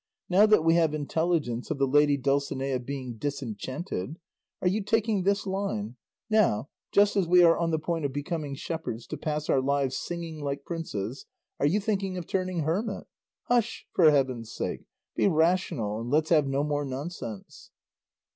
Now that we have intelligence of the lady Dulcinea being disenchanted, are you taking this line; now, just as we are on the point of becoming shepherds, to pass our lives singing, like princes, are you thinking of turning hermit? Hush, for heaven's sake, be rational and let's have no more nonsense."